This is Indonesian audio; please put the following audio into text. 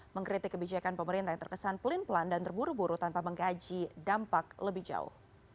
mengkritik kebijakan pemerintah yang terkesan pelin pelan dan terburu buru tanpa mengkaji dampak lebih jauh